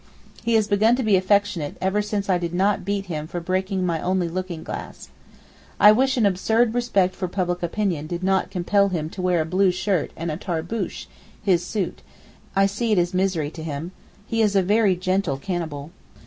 He has begun to be affectionate ever since I did not beat him for breaking my only looking glass. I wish an absurd respect for public opinion did not compel him to wear a blue shirt and a tarboosh (his suit), I see it is misery to him. He is a very gentle cannibal.